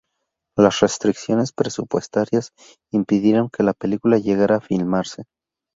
Las restricciones presupuestarias impidieron que la película llegara a filmarse.